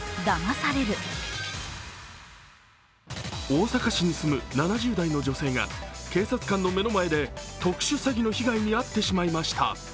大阪市に住む７０代の女性が警察官の目の前で特殊詐欺の被害に遭ってしまいました。